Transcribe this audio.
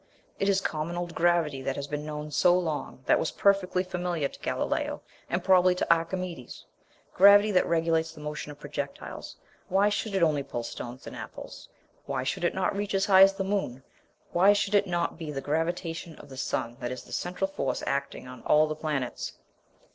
It is common old gravity that had been known so long, that was perfectly familiar to Galileo, and probably to Archimedes. Gravity that regulates the motion of projectiles. Why should it only pull stones and apples? Why should it not reach as high as the moon? Why should it not be the gravitation of the sun that is the central force acting on all the planets?